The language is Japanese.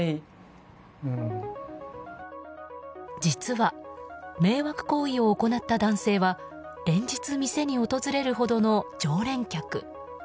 実は迷惑行為を行った男性は連日、店に訪れるほどの常連客。